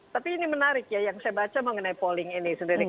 tapi ini menarik ya yang saya baca mengenai polling ini sendiri